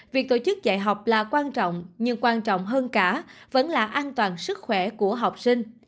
việc tổ chức dạy học là quan trọng nhưng quan trọng hơn cả vẫn là an toàn sức khỏe của học sinh